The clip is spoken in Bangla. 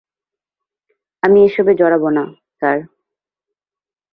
আমি এসবে জড়াবো না, স্যার।